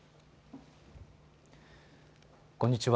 こんにちは。